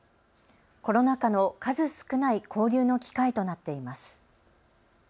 コロナ禍の数少ない交流の機会となっています。